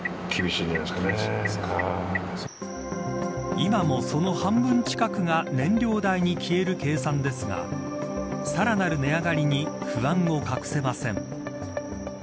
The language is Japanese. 今も、その半分近くが燃料代に消える計算ですがさらなる値上がりに不安を隠せません。